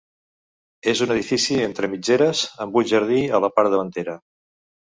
És un edifici entre mitgeres, amb un jardí a la part davantera.